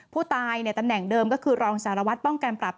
ผู้ตายตำแหน่งเดิมก็คือรองสารวัตรป้องกันปรับ